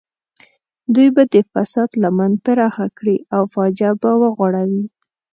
دوی به د فساد لمن پراخه کړي او فاجعه به وغوړوي.